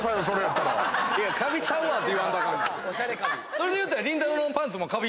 それで言うたら。